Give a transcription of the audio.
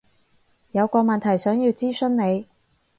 有個問題想要諮詢你